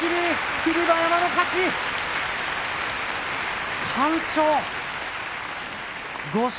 霧馬山の勝ち、完勝。